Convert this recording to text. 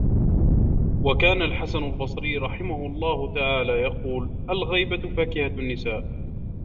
وَكَانَ الْحَسَنُ الْبَصْرِيُّ رَحِمَهُ اللَّهُ تَعَالَى ، يَقُولُ الْغِيبَةُ فَاكِهَةُ النِّسَاءِ